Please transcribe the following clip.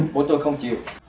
bố tôi không chịu